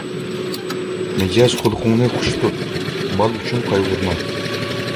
مىجەز خۇلقۇڭنى خوش تۇت، مال ئۈچۈن قايغۇرما.